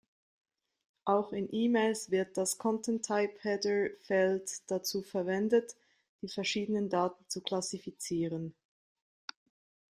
Auch in E-Mails wird das „Content-Type“-Header-Feld dazu verwendet, die verschiedenen Daten zu klassifizieren.